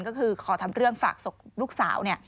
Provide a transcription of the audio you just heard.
ก็คือขอทำเรื่องฝากศพลูกสาวเนี่ย